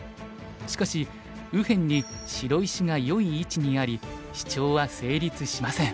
しかし右辺に白石がよい位置にありシチョウは成立しません。